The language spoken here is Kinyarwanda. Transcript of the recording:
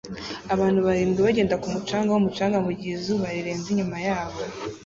Abantu barindwi bagenda ku mucanga wumucanga mugihe izuba rirenze inyuma yabo